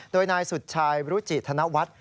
โดยนายสุดชายวิรุจิธนวรรดิ